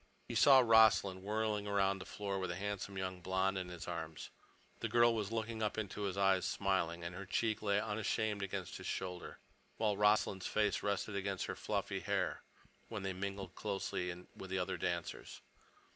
He saw Rossland whirling round the floor with a handsome, young blonde in his arms. The girl was looking up into his eyes, smiling, and her cheek lay unashamed against his shoulder, while Rossland's face rested against her fluffy hair when they mingled closely with the other dancers.